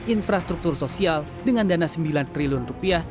infrastruktur sosial dengan dana rp sembilan triliun